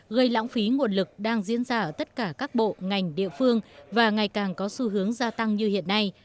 gây lãng phí nguồn lực đang diễn ra ở tất cả các bộ ngành địa phương và ngày càng có xu hướng gia tăng như hiện nay